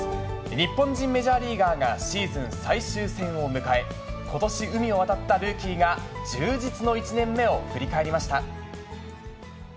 日本人メジャーリーガーがシーズン最終戦を迎え、ことし、海を渡ったルーキーが、充実の１年目を振り返りました。